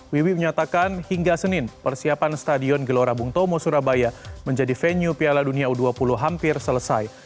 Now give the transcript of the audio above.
wiwi menyatakan hingga senin persiapan stadion gelora bung tomo surabaya menjadi venue piala dunia u dua puluh hampir selesai